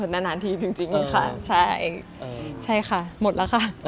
นานนานที่จริงอยู่ค่ะใช่ค่ะหมดแล้วค่ะ